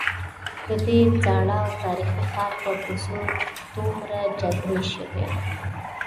ددې زاړه او تاریخي ښار په کوڅو کې دومره جګړې شوي.